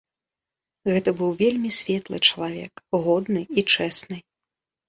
Гэта быў вельмі светлы чалавек, годны і чэсны.